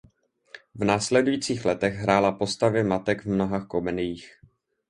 V následujících letech hrála postavy matek v mnoha komediích.